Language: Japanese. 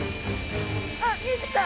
あっ見えてきた！